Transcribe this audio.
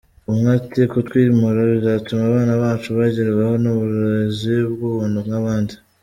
Umwe ati “Kutwimura bizatuma abana bacu bagerwaho n’uburezi bw’ubuntu nk’abandi.